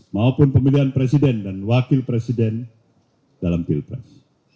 maupun pemilihan presiden dan wakil presiden dalam pilpres